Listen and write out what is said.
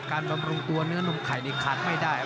บำรุงตัวเนื้อนมไข่นี่ขาดไม่ได้